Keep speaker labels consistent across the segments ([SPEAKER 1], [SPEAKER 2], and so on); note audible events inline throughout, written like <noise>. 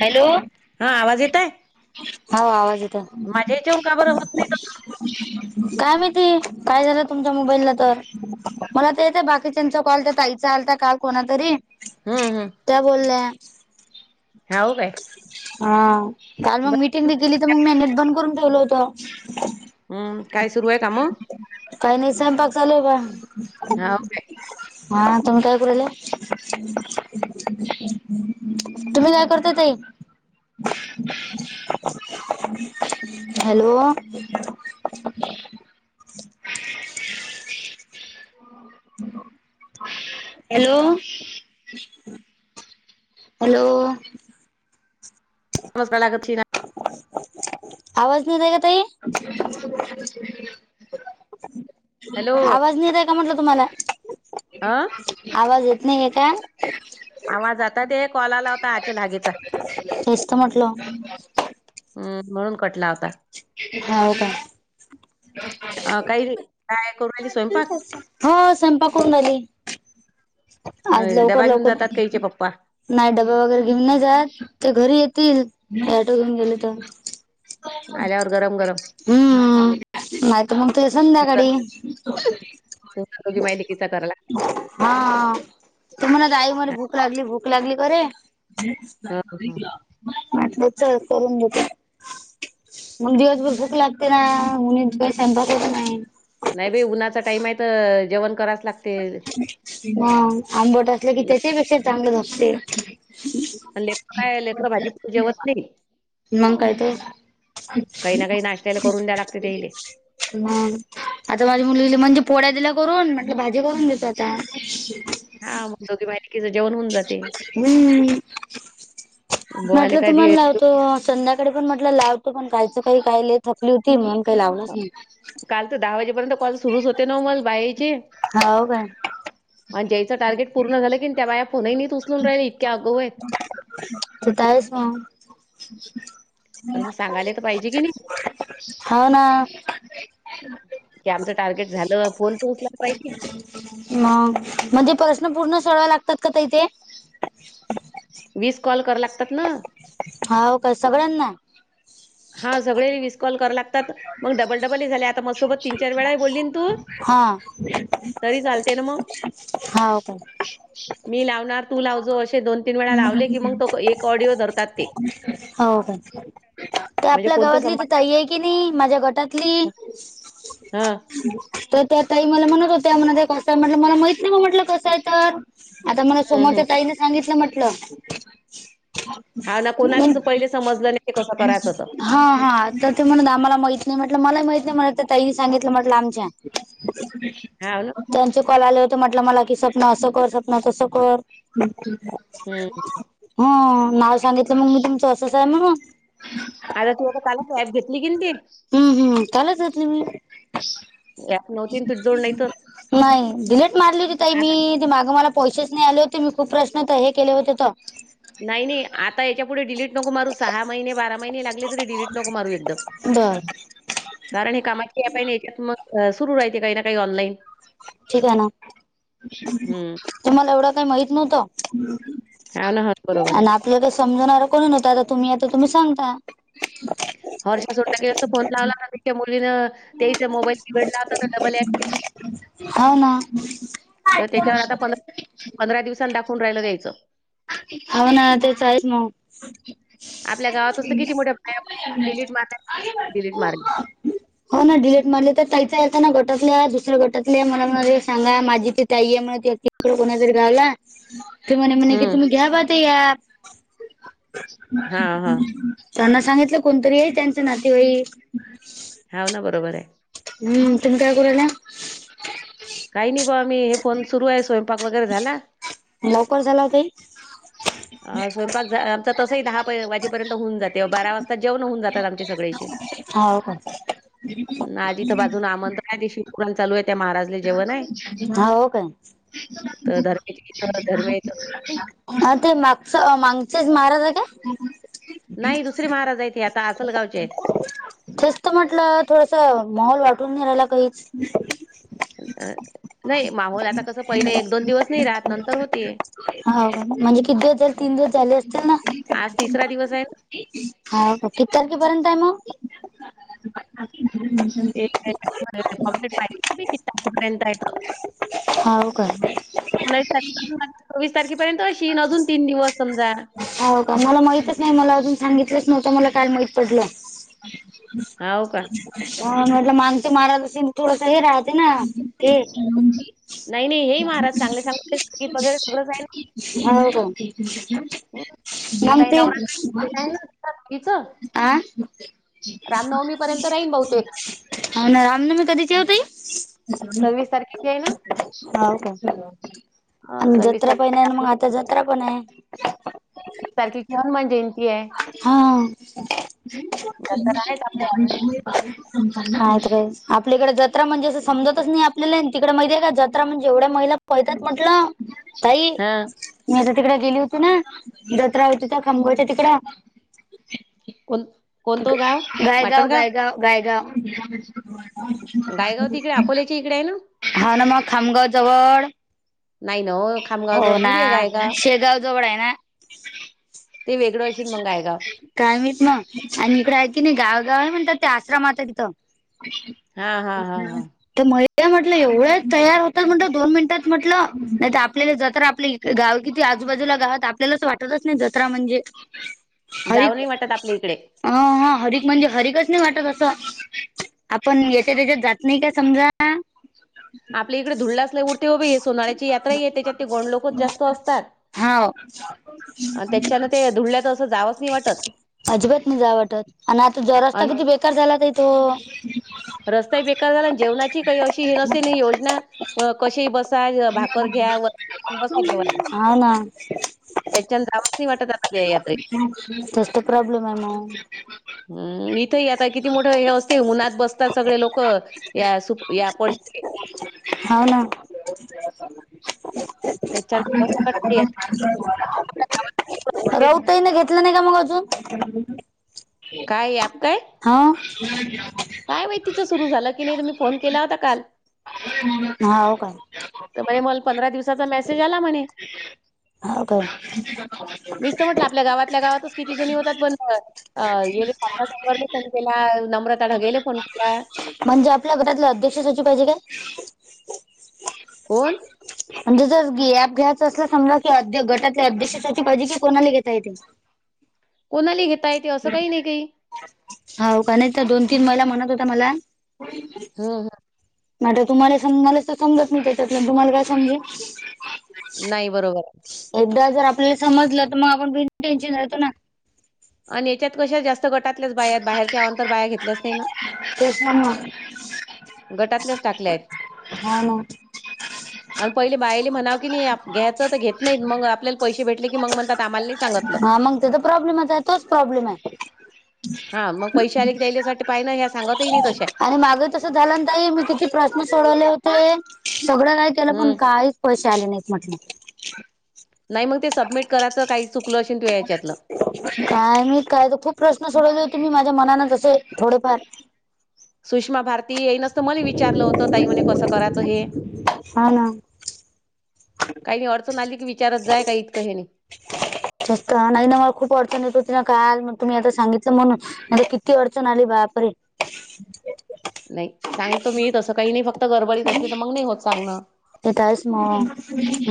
[SPEAKER 1] Hello!
[SPEAKER 2] हा आवाज येत आहे
[SPEAKER 1] हो आवाज येतोय
[SPEAKER 2] माझ्या ह्याच्यावून का बरं ह
[SPEAKER 1] काय माहीती काय झालं, तुमच्या मोबाईला तर? मला तर येतं, बाकीच्यांचा कॉल त्या ताईचा आलता काल कोणा तरी
[SPEAKER 2] हम्म हम्म
[SPEAKER 1] त्या बोल्या
[SPEAKER 2] हाव काय
[SPEAKER 1] हा काल
[SPEAKER 2] ब-
[SPEAKER 1] मग मिटिंग गेली तर मग म्या नेट बंद करून ठेवलं होतं
[SPEAKER 2] हम्म काय सुरू आहे काम
[SPEAKER 1] कायी नायी स्वयंपाक चालूय बा
[SPEAKER 2] हाव काय
[SPEAKER 1] हा तुम्ही काय करू राहील्या? <inaudible> <inaudible> तुम्ही काय करता ताई? <inaudible> हॅलो! <inaudible> <inaudible> हॅलो! <unintelligible> हॅलो!
[SPEAKER 2] <inaudible> <unintelligible>
[SPEAKER 1] <inaudible> आवाज नाही येतय का ताई?
[SPEAKER 2] हॅलो
[SPEAKER 1] आवाज नायी येतय का म्हटलं तुम्हाला?
[SPEAKER 2] हा
[SPEAKER 1] आवाज येत नाहीय का?
[SPEAKER 2] आवाज आ ते कॉल आला होता, आच्या लागेचा
[SPEAKER 1] तेच तर म्हटलं
[SPEAKER 2] हम्म, म्हणून कटला होता
[SPEAKER 1] हो का
[SPEAKER 2] हा काही काय करू राहीली? स्वयंपाक
[SPEAKER 1] हो स्वयंपाक करून राह्यली आज
[SPEAKER 2] अं,
[SPEAKER 1] लवकर,
[SPEAKER 2] डबा
[SPEAKER 1] लवकर,
[SPEAKER 2] घेऊन जातात काहीचे
[SPEAKER 1] कोणय?
[SPEAKER 2] पप्पा
[SPEAKER 1] नाय डब्बे वगैरे घेऊन नाय जात, ते घरी येतील ॲटो घेऊन गेले तर
[SPEAKER 2] आल्यावर गरम गरम
[SPEAKER 1] नाय, तर मग ते
[SPEAKER 2] तुमचा
[SPEAKER 1] संध्याकाळी
[SPEAKER 2] तुमचा दोघी मायलिकीचा करला
[SPEAKER 1] हा त म्हणा आई मले
[SPEAKER 2] हा,
[SPEAKER 1] भूक लागली, भूक लागली, करे
[SPEAKER 2] हा.
[SPEAKER 1] म्हटलं, चल करून देते मग दिवसभर भूक लागते ना? कोणी का स्वयंपाक करत नायी
[SPEAKER 2] नायी बाई उन्हाचा टाईमय, तर जेवण करावच लागते
[SPEAKER 1] हं, आंबट असले की
[SPEAKER 2] ल-
[SPEAKER 1] त्याच्याही पेक्षा चांगलच असते
[SPEAKER 2] लेकरं, काय लेकरं भाजी जेवत नायी
[SPEAKER 1] मग काय त,
[SPEAKER 2] काही ना काही नाश्त्याला करून द्या लागते त्याइले
[SPEAKER 1] मग आता माझी मुलीला म्हणजे पोळ्या दिल्या करून म्हटलं भाजी करून देते आता
[SPEAKER 2] हा मग दोघी मायलेकीच जेवण होऊन जाते
[SPEAKER 1] हम्म
[SPEAKER 2] बोवाले
[SPEAKER 1] म्हटलं तुम्हाला
[SPEAKER 2] कधी
[SPEAKER 1] लावतो संध्याकाळी पण म्हटलं लावतो पण कायचं काय कायले? थकलो होती, मग काय लावलाच नायी
[SPEAKER 2] काल तर दहा वाजेपर्यंत कॉल सुरूच होते न मला बाहेरचे
[SPEAKER 1] हाव काय?
[SPEAKER 2] म्हणजे याचं टार्गेट पूर्ण झालं की त्या बाया फोनही उचलून राहिले इतक्या आगावू आहेत.
[SPEAKER 1] कुट हाइसा
[SPEAKER 2] आणि मग सांगायला तर पाहिजे की नाही
[SPEAKER 1] <unintelligible> हा ना....
[SPEAKER 2] त्यांच टार्गेट झालं फोन तर उचलायला पाहिजे.
[SPEAKER 1] मग म्हणजे प्रश्न पूर्ण सोडवावे लागतात ताई इथे.
[SPEAKER 2] वीस कॉल करा वे लागतात ना.
[SPEAKER 1] होा का? सगळ्यांना.
[SPEAKER 2] हा सगळे मिसकॉल करावे लागतात.. मग डबल डबल ह झाले आता मग सोबत तीन चार वेळाही बोलली तू.
[SPEAKER 1] हां...
[SPEAKER 2] तरी झा लते ना मग.
[SPEAKER 1] हा का?
[SPEAKER 2] मी लावणार तू लावजो असे दोन तीन वेळा लावले की मग तो एक ऑडिओ धरतात ते.
[SPEAKER 1] हो का त्या
[SPEAKER 2] म्हणजे
[SPEAKER 1] आपल्या
[SPEAKER 2] कोणतं
[SPEAKER 1] गावातली
[SPEAKER 2] संभाषण
[SPEAKER 1] ताई आहेती. नाही माझ्या गटातली.
[SPEAKER 2] हा
[SPEAKER 1] तर त्याताई मला म्हणत होत्या मग कस्टमर म्हटलं मला माहित नाही कस आहे आहे तर - आता मला
[SPEAKER 2] हम्म, हम्म.
[SPEAKER 1] समोरच्या ताईने सांगितलं म्हटलं.
[SPEAKER 2] हा ना कोणालाच पहिले समजलं नाही कसं करायचं.
[SPEAKER 1] हा ते म्हणून आम्हाला माहित नाही म्हटलं मलाही माहित नाही म्हटलं तर त्याही सांगितलं म्हटलं आमच्या.
[SPEAKER 2] हा ना
[SPEAKER 1] त्यांचे कॉल आले होते म्हटलं मला कि सपना असं कर सपना तसं कर.
[SPEAKER 2] हम्म...
[SPEAKER 1] हो नाव सांगितलं मग मी तुमचं असं सा आहे म्हणून.
[SPEAKER 2] तता काला ॲब घेतली की तेी. <unintelligible>
[SPEAKER 1] हम्म हम्म त्यालाचातली मी.
[SPEAKER 2] यात नवतीन तु जोड नाहीतर.
[SPEAKER 1] नाही डिलीट मारली होती ताई मी. मागे मला पैसेच नाही आले होते मी खूप प्रश्न हे केले होते. त.
[SPEAKER 2] नाही नाही आता याच्या पुुढे डिलीट नको मारू सहा महिने बारा महिने. ते लागले तरीडलीट नक मारू एकदम.
[SPEAKER 1] बर
[SPEAKER 2] कारण हे कामाचे ऍप आहे या च्यात मग सुरू राहते काही ना काही ऑनलाईन.
[SPEAKER 1] ठीक आहे ना
[SPEAKER 2] हम्म
[SPEAKER 1] तुम्हाला एवढं काही माहित नव्हतं.
[SPEAKER 2] ह ना हो बरोबर आहे.
[SPEAKER 1] तिला काय समजणारा कोण नव्हंता आता तुम्ही आता तुम्ही सांगता.
[SPEAKER 2] वर्षा सोनटके असस्त फोन लावला ना्या मुलीन. तेच मोबाईल बिघडला आता तर डबल ॲप घेतली.
[SPEAKER 1] हो ना
[SPEAKER 2] तर त्याच्यावर आता फॉलअप पंधरा दिवसांन दाखवून राहियला जायचं.
[SPEAKER 1] अ ना ते आहेत मग. <inaudible>
[SPEAKER 2] आपल्या गावात असतं किती मोठ्या डिलीट मारल्या डिलीट मारली
[SPEAKER 1] हो ना डिलेट मारले तर त्याहीच आहे ना गटातल्या दुसऱ्या गटातल्या मला म्हणा सांगा माझी ती तई आहे म्हण. कोणा जर घावला तर म्हणे म्हणे कि
[SPEAKER 2] हम्म
[SPEAKER 1] तुम्ही घ्यावा ते ऍप.
[SPEAKER 2] हा हा
[SPEAKER 1] त्यांना सांगितलं कोणतरी आहे त्यांच नातेवाई.
[SPEAKER 2] हाव ना बरोबर हे.
[SPEAKER 1] हम्म तुम् काय बोल्या?
[SPEAKER 2] काही नाही बा मी हे फोन सुरू आहे स्वयंपाक वगैरे झाला.
[SPEAKER 1] लवकर झाला ओ ताई.
[SPEAKER 2] अ स्वयंपाक आमचा तसही दहा वाजेपर्यंत होऊन जाते बारा वाजता जेवण होऊन जातात आमचे सगळेचे.
[SPEAKER 1] हाव का
[SPEAKER 2] आजिथं बाजून आमंत्रण आहे ते शिवपुराण चालू आहे त्या महाराजले.. जेवण आहे.
[SPEAKER 1] हा हो काय?
[SPEAKER 2] तर धर्मेच्या इथं धर्मे इथं नाही
[SPEAKER 1] अ ते मागचं मागचेच महाराज आहे का?
[SPEAKER 2] नाही दुसर महाराज आहेत ते आता आसलगावचे आहेत.
[SPEAKER 1] तेच तर म्हटलं थोडस मोहल वाटून घ्यारायला काहीच.
[SPEAKER 2] नाही माहोल आता कसं पहिलं एक दोन दिवस नाही राहत नंतर होती.
[SPEAKER 1] हाव का म्हणजे किती दिवस झाले? तीन दिवस झाले असतील
[SPEAKER 2] आज
[SPEAKER 1] ना.
[SPEAKER 2] तिसरा दिवस आहे ना.
[SPEAKER 1] ह का किती तारख पर्यंत हाय मग?
[SPEAKER 2] <unintelligible> पर्यंत आहे ग
[SPEAKER 1] हव काय.
[SPEAKER 2] एकोस तारखे चोवीस तारखेपर्यंत अशी अजून तीन दिवस समजा.
[SPEAKER 1] हो का मला माहितच नाही मला अजून सांगितलंच नव्हतं मला काल माहित पडलं.
[SPEAKER 2] हाव का?
[SPEAKER 1] ह म्हटलं मागते महाराज असेल थोडस हे राहते ना. <unintelligible>
[SPEAKER 2] नाही, नाही हेही महाराज चांगले सांगत आहेत. संगीत वगैरे सगळंच आहे ना.
[SPEAKER 1] <unintelligible> मग
[SPEAKER 2] आता हे
[SPEAKER 1] ते
[SPEAKER 2] नवरात्र आहे ना तिचं
[SPEAKER 1] अ.
[SPEAKER 2] रामनवमी पर्यंत राहीन बहुतेक.
[SPEAKER 1] हो ना रामनवमी कधीच ओ तई?
[SPEAKER 2] सव्वीस तारखेची आहे ना.
[SPEAKER 1] हाव काय
[SPEAKER 2] हा,
[SPEAKER 1] आणि
[SPEAKER 2] सव्वीस
[SPEAKER 1] जत्रा पहि
[SPEAKER 2] तारखेची
[SPEAKER 1] नाही मग आता जत्रा पण आहे.
[SPEAKER 2] एकवीस तारखे येऊन म्हणजे,
[SPEAKER 1] हा.
[SPEAKER 2] दसरा आहेच आपल्या ऑलरेडी
[SPEAKER 1] मात रे आपल्या इकडे जत्रा म्हणजे असं समजतच नाही आपल्याला तिकडे माहिती आहे का जञा म्हणजे एवढ्या महिला पळतात म्हटलं. ताई
[SPEAKER 2] हा
[SPEAKER 1] मी आता तिकड गेली होती ना जञा होती तर खांबयच्या तिकड.
[SPEAKER 2] कोल
[SPEAKER 1] गायगाव गायगाव गायगाव.
[SPEAKER 2] गायगाव तिकडे अकोल्याच्या इकडे आहे ना.
[SPEAKER 1] हा ना मग खामगाव जवळ.
[SPEAKER 2] नाही ना ओ खामगाव
[SPEAKER 1] हो
[SPEAKER 2] जवड
[SPEAKER 1] ना
[SPEAKER 2] थोडी आहे गायगाव.
[SPEAKER 1] शेगाव जवळ आहे ना
[SPEAKER 2] ते वेगळं अशीेन मंग गायगाव.
[SPEAKER 1] काय माहित मग ना आणि इकडे आहे की नाही गावागाव आहे म्हणतात ते आश्रमात तिथं.
[SPEAKER 2] हा हा हा
[SPEAKER 1] ह.
[SPEAKER 2] हा
[SPEAKER 1] तर <unintelligible> म्हटलं एवढ्या तयार होत म्हण दोन मिनिटात म्हटलं नाही तर आपल्याला जतरा आपली गाव किती आजूबाजूला गावात आपल्यालाच वाटतच नाही जत्रा म्हणजे.
[SPEAKER 2] जाऊ नाही वाटत आपल्या इकडे.
[SPEAKER 1] अ हा हरिक म्हणजे हरिकच नाही वाटत असं आपण याच्या त्याच्यात जात नाही का समजा. हां.
[SPEAKER 2] आपल्या इकडे धुडलं लईच उरते हे सोनळ्याची यात्रा ह आहे त्याच्यात ते गोण लोकच जास्त असतात.
[SPEAKER 1] हाव.
[SPEAKER 2] आणि त्याच्यानं ते धुळल्यात असं जावंच नाही वाटत
[SPEAKER 1] अजिबात नाही जा वाटत आणि आता जो रस्ता
[SPEAKER 2] आणि
[SPEAKER 1] किती बेकार झाला ताई तो.
[SPEAKER 2] रस्ताही बेकार झाला आणि जेवणाची काही अशी हिनसेिन योजना, व कसेही बसा भाकर घ्या वै आणि बसा जवा.
[SPEAKER 1] हा ना.
[SPEAKER 2] त्याच्यान जावच नाही वाटत आता त्या यात्रेत.
[SPEAKER 1] तोच तर प्रॉब्लेम आहे मग.
[SPEAKER 2] हम्म इथे आता किती मोठं हे असते उन्हात बसते. तर सगळे लोक याप या पडशी.
[SPEAKER 1] हाव ना.
[SPEAKER 2] त्याच्यानं जावंच नाही वाटत त्या यात्रेत.
[SPEAKER 1] <inaudible> रावताई न घेतलं नाही का मग अजून?
[SPEAKER 2] काय अँप काय?
[SPEAKER 1] हो
[SPEAKER 2] काय माहित तीच सुरू झालं की नाही त मी फोन केला होता काल.
[SPEAKER 1] हा हो काय
[SPEAKER 2] त बाई मल पंधरा दिवसाचा मेसेज आला म्हणे
[SPEAKER 1] हाव काय
[SPEAKER 2] मीच त म्हटलं आपल आपल्या गावातल्या गावातच किती जणी होत्यात पण <unintelligible> नम्रता ले त्या ढगेले फोन केला
[SPEAKER 1] म्हंजे आपल्या घरातल्या अध्यक्षाच्याची पायजे काय?
[SPEAKER 2] कोण?
[SPEAKER 1] म्हणजे ज ज गॅप घ्यायचं असलं समजा की अध्य गटातल्या अध्यक्षाची पायजे की कोणाले घेता येते? <inaudible>
[SPEAKER 2] कोणाले ही घेता येते असं काई नई काई
[SPEAKER 1] हाव का नाई त दोन तीन महिला म्हणत होत्या मला
[SPEAKER 2] <unintelligible>
[SPEAKER 1] आठे त मले मलेच सम मलेच तर समजत नई त्यातले तर तुमाले काय समजीन
[SPEAKER 2] नाई बरोबर आहे
[SPEAKER 1] एकदा जर आपल्याले समजलं त म आपण बीन टेन्शन राहतो ना
[SPEAKER 2] आणि याच्यात कशा जास्त गटातल्याच बाया आहेत बाहेरच्या अवान्तर बाया घेतल्याच नई ना
[SPEAKER 1] तेच ना मग
[SPEAKER 2] गटातल्याच टाकल्यायत
[SPEAKER 1] हा ना
[SPEAKER 2] अण पयले बायले म्हणाव की नी घ्यायचं त घेत नईत मंग आपल्याल पैसे भेटले की मंग म्हणतात आमाल नई स-
[SPEAKER 1] हा मंग ते त प्रॉब्लेमच आहे तोच प्रॉब्लेम हाय
[SPEAKER 2] हा मंग पैसे आलेकी त्यायलेसाठी पायन ह्या सांगत-
[SPEAKER 1] आणि माग तसच झालं न ताई मी किती प्रश्न सोडवले होते सगळं ना- त्याला पण
[SPEAKER 2] हं.
[SPEAKER 1] काईच पैशे आले नाईत म्हटलं.
[SPEAKER 2] नाई म ते सबमिट करायंच काई चुकलं अशीन तुया याच्यातलं
[SPEAKER 1] काय मी काय त खूप प्रश्न सोडवले होते मी माझ्या मनानं जसे थोडेफार
[SPEAKER 2] सुषमा भारती याईनच तं मले विचारलं होतं ताई मणे कसं कराचं हे?
[SPEAKER 1] हा ना
[SPEAKER 2] काही अडचन आलीकी विचारत जाय काई इतकं हेनी
[SPEAKER 1] जास्त आ नाई ना मला खूप अडचण येत हो ति ना काल मग तुम्ही आता सांगितलं म्हणून मले किती अडचण आली बापरे
[SPEAKER 2] नाई सांगतो मी तसं काई नी फक्त गरबडीत असली त मंग नई होत सांगण
[SPEAKER 1] त्यावेळेस म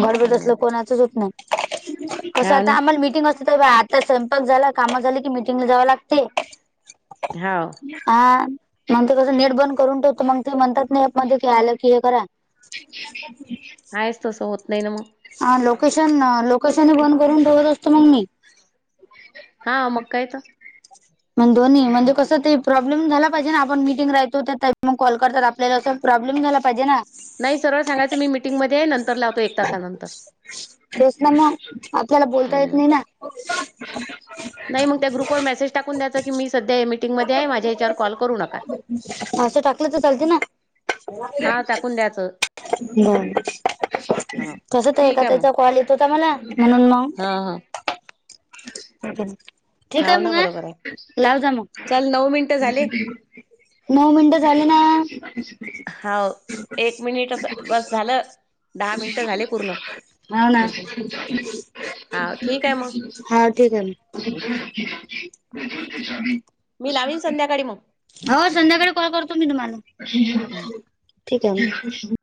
[SPEAKER 1] गडबडीत असलं कोणाचंच होत नाई कसं
[SPEAKER 2] हाव
[SPEAKER 1] आता
[SPEAKER 2] ना.
[SPEAKER 1] आमा- मिटिंग असती तर बाई आता स्वयंपाक झाला काम झाली की मिटंगला जावं लागते.
[SPEAKER 2] ह -
[SPEAKER 1] हा मंग ते कसं नेट बंद करून ठेवतो मंग ते म्हणतात ना ऍपमध्ये काय आलं की हे करा. <inaudible>
[SPEAKER 2] नायच तसं होत नई म्हणून
[SPEAKER 1] हा लोकेशन आ लोकेशनबी बंद करून ठेवत असतो मंग मी
[SPEAKER 2] हा मग काय तर-
[SPEAKER 1] मंग दोन्ही म्हणजे कसं ते प्रॉब्लेम झाला पायजे ना आपण मीटिंग रायतो त्यातनं मंग कॉल करतात आपल्याला त प्रॉब्लेम झाला पायजे ना
[SPEAKER 2] नाई सरळ सांगायचं मी मीटिंगमध्ये आहे नंतर लावतो एक तासानंतर
[SPEAKER 1] तेचना मंग आपल्याला बोलता येत नई ना
[SPEAKER 2] नाई मंग त्या ग्रुपवर मेसेज टाकून द्यायंचा की मी सध्या या मिटिंगमध्ये आहे माझ्या याच्यावर कॉल करू नका.
[SPEAKER 1] असं टाकलं तर चालते ना
[SPEAKER 2] हां, टाकून द्यायचं.
[SPEAKER 1] हम
[SPEAKER 2] हां.
[SPEAKER 1] <inaudible> ताई चा काॅल येतो तु त मला <inaudible>
[SPEAKER 2] हा हा.
[SPEAKER 1] <inaudible>
[SPEAKER 2] हाव ना बरोबर आहे.
[SPEAKER 1] लावजा मग
[SPEAKER 2] चल मिनिटं झाले.
[SPEAKER 1] नऊ मिनटं झाले ना
[SPEAKER 2] हाव. मिनिट असं बस झालं. मिनिटं झाले पूर्ण.
[SPEAKER 1] भावना.
[SPEAKER 2] हाव ठीक आहे मग.
[SPEAKER 1] हा ठीक आहे मग
[SPEAKER 2] मी लावीन संध्याकाळी मग-
[SPEAKER 1] हो संध्याकाळी कॉल करतो मी तुम्हाला
[SPEAKER 2] हं.
[SPEAKER 1] ठीक आहे म-